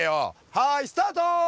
はいスタート！